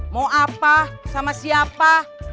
mau apa sama siapa